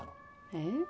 えっ？